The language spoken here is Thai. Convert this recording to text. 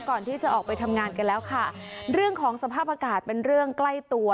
ก่อนที่จะออกไปทำงานกันแล้วค่ะเรื่องของสภาพอากาศเป็นเรื่องใกล้ตัว